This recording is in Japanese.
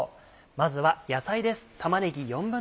まずは野菜です。